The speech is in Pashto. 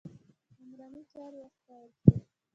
عمراني چارې وستایل شوې.